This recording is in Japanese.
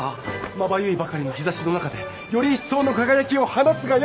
まばゆいばかりの日ざしの中でより一層の輝きを放つがよい！